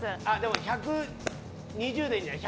１２０でいいんじゃない？